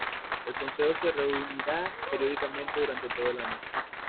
El Consejo se reunirá periódicamente durante todo el año.